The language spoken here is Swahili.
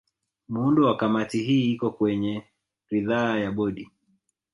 Muundo wa Kamati hii uko kwenye ridhaa ya Bodi